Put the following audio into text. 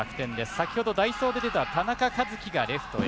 先ほど、代走で出た、田中和基がレフトへ。